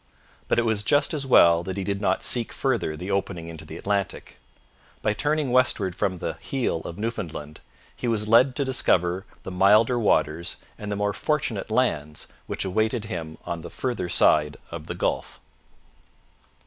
But it was just as well that he did not seek further the opening into the Atlantic. By turning westward from the 'heel' of Newfoundland he was led to discover the milder waters and the more fortunate lands which awaited him on the further side of the Gulf.